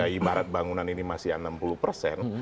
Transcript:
ibarat bangunan ini masih enam puluh persen